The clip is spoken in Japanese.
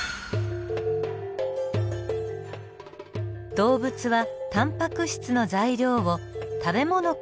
動物はタンパク質の材料を食べ物から摂取しています。